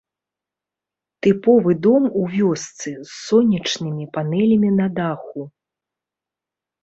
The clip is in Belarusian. Тыповы дом у вёсцы з сонечнымі панэлямі на даху.